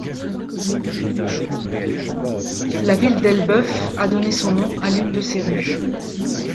La ville d’Elbeuf a donné son nom à l’une de ses rues.